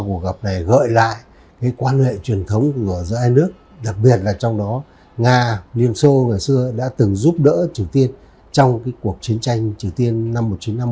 cuộc gặp này gợi lại quan hệ truyền thống của giai nước đặc biệt là trong đó nga liên xô ngày xưa đã từng giúp đỡ triều tiên trong cuộc chiến tranh triều tiên năm một nghìn chín trăm năm mươi năm mươi ba